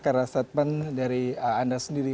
karena statement dari anda sendiri